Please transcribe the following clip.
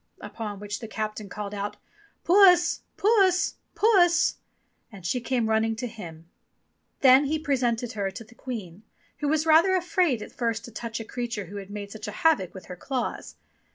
Upon which the captain called out, "Puss, puss, puss," and she came running to him. Then he presented her to the 248 ENGLISH FAIRY TALES Queen, who was rather afraid at first to touch a creature who had made such a havoc with her claws.